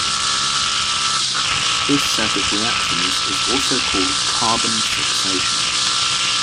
This set of reactions is also called "carbon fixation".